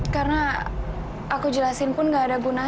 karena aku jelasin pun gak ada gunanya